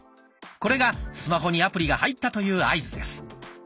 これがスマホにアプリが入ったという合図です。